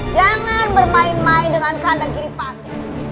jangan bermain main dengan kandang kiri pati